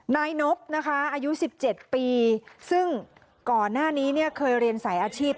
นายนบอายุ๑๗ปีซึ่งก่อนหน้านี้เคยเรียนใส่อาชีพ